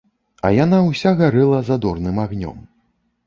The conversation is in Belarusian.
А яна ўся гарэла задорным агнём.